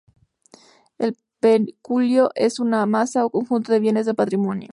El peculio es una masa o conjunto de bienes del patrimonio.